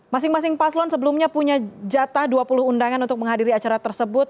masing masing paslon sebelumnya punya jatah dua puluh undangan untuk menghadiri acara tersebut